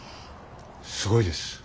すごいです。